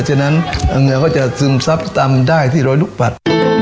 เยอะเรื่องเหงื่อเยอะมากก็จะซึมซับและตัมได้ที่รอยลูกปัส